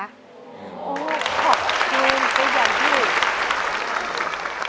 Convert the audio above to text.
โอ้โฮขอบคุณก็อย่างที่